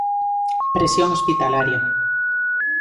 Presión hospitalaria.